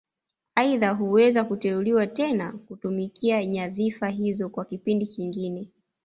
Aidha huweza kuteuliwa tena kutumikia nyadhifa hizo kwa kipindi kingine